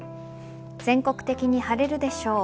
全国的に晴れるでしょう。